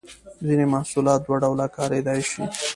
ځینې محصولات دوه ډوله کاریدای شي.